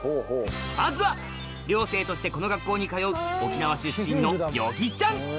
まずは寮生としてこの学校に通う沖縄出身の與儀ちゃん